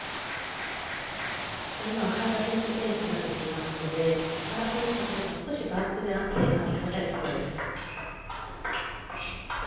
早田選手ペースになってきていますので木原選手とすれば少しバックで安定感を持たせたいところです。